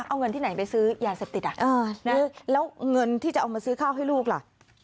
เอาเงินที่ไหนไปซื้อยาเสพติดแล้วเงินที่จะเอามาซื้อข้าวให้ลูกล่ะ